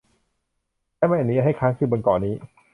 และไม่อนุญาตให้ค้างคืนบนเกาะนี้